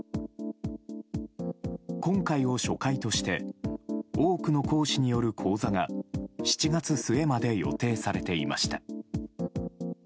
今回を初回として多くの講師による講座が７月末まで予定されていました。